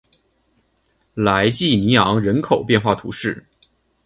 莱济尼昂人口变化图示